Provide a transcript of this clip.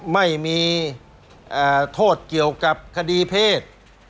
ไม่มีโทษเกี่ยวกับคดีเพศ